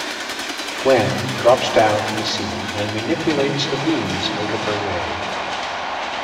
Gwen drops down from the ceiling and manipulates the beams out of her way.